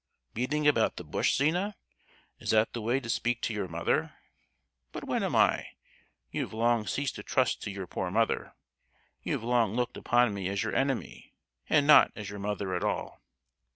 "Beating about the bush, Zina? Is that the way to speak to your mother? But what am I? You have long ceased to trust to your poor mother! You have long looked upon me as your enemy, and not as your mother at all!"